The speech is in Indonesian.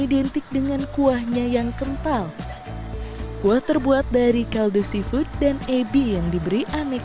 identik dengan kuahnya yang kental kuah terbuat dari kaldu seafood dan ebi yang diberi aneka